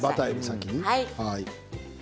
先に？